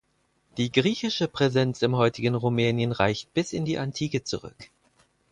Die griechische Präsenz im heutigen Rumänien reicht bis in die Antike zurück.